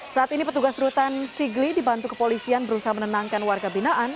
saat ini petugas rutan sigli dibantu kepolisian berusaha menenangkan warga binaan